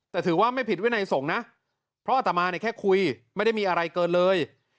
แต่ถือว่าไม่ผิดวินัยสงฆ์นะเพราะอัตมาเนี่ยแค่คุยไม่ได้มีอะไรเกินเลย